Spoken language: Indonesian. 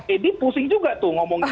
jadi pusing juga tuh ngomong